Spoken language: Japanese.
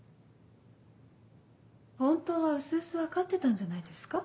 本当はうすうす分かってたんじゃないですか？